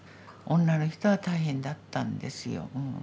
女の人は大変だったんですよ。